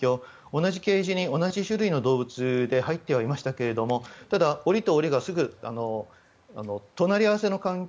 同じケージに、同じ種類の動物で入っていましたがただ、檻と檻がすぐ隣り合わせの環境